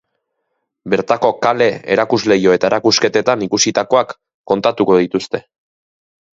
Bertako kale, erakusleiho eta erakusketetan ikusitakoak kontatuko dituzte.